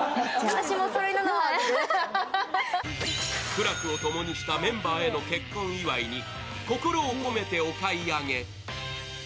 苦楽を共にしたメンバーへの結婚祝いに心を込めてお買い上げ。